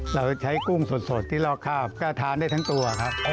เราใช้กุ้งสดที่ลอกคาบก็ทานได้ทั้งตัวครับ